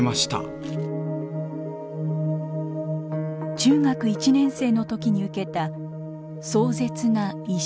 中学１年の時に受けた壮絶ないじめ。